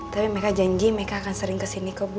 tapi mereka janji mereka akan sering kesini ke bu